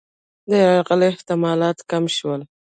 د یرغل احتمالات کم شول.